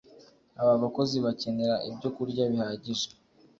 Aba bakozi bakenera ibyokurya bihagije